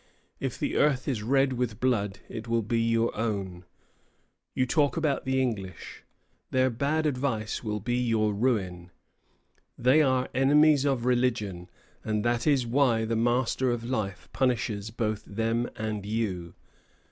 If the earth is red with blood, it will be your own. You talk about the English. Their bad advice will be your ruin. They are enemies of religion, and that is why the Master of Life punishes both them and you.